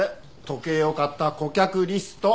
時計を買った顧客リスト。